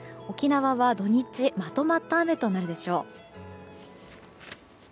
沖縄は土日まとまった雨となるでしょう。